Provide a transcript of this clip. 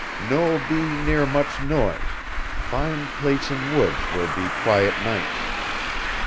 "No be near much noise fine place in woods where be quiet nights.